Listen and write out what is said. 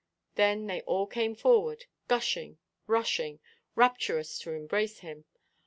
Then they all came forward, gushing, rushing, rapturous to embrace him.